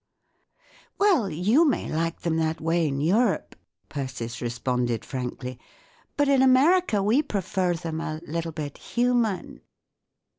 "Well, you may like them that way in Europe," Persis responded, frankly; "but in America, w F e prefer them a little bit human."